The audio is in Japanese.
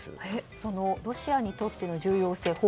ロシアにとっての重要性